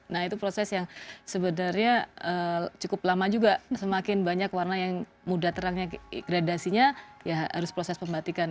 nah itu proses yang sebenarnya cukup lama juga semakin banyak warna yang mudah terangnya gradasinya ya harus proses pembatikan